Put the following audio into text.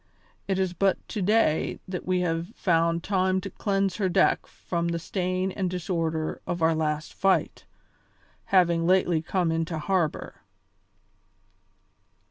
It is but to day that we have found time to cleanse her deck from the stain and disorder of our last fight, having lately come into harbour.